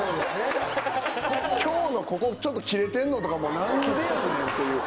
「今日」のここちょっと切れてんのとかも何でやねんっていう。